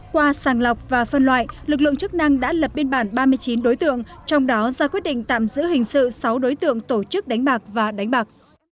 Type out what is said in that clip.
qua sàng lọc và phân loại lực lượng chức năng đã lập biên bản ba mươi chín đối tượng trong đó ra quyết định tạm giữ hình sự sáu đối tượng tổ chức đánh bạc và đánh bạc